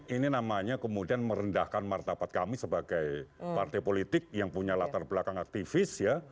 ini namanya kemudian merendahkan martabat kami sebagai partai politik yang punya latar belakang aktivis ya